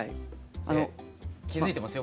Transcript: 気付いてますよ